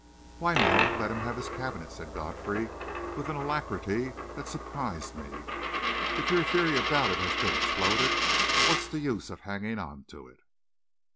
"Why, no; let him have his cabinet," said Godfrey, with an alacrity that surprised me. "If your theory about it has been exploded, what's the use of hanging on to it?"